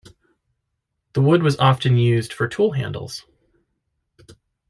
The wood was often used for tool handles.